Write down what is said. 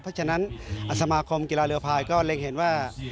เพราะฉะนั้นสมาคมกีฬาเรือพายก็เล็งเห็นว่า